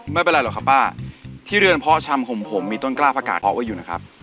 ไม่เป็นไรหรอกครับป้าที่เรือนเพาะชำของผมมีต้นกล้าประกาศเพาะไว้อยู่นะครับ